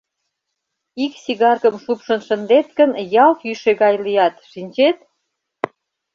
Ик сигаркым шупшын шындет гын, ялт йӱшӧ гай лият, шинчет!